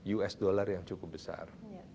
us dollar yang cukup besar